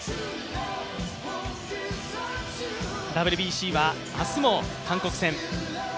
ＷＢＣは明日も韓国戦。